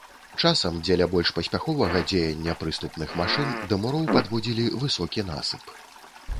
Часам, дзеля больш паспяховага дзеяння прыступных машын, да муроў падводзілі высокі насып.